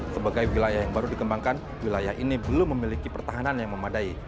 sebagai wilayah yang baru dikembangkan wilayah ini belum memiliki pertahanan yang memadai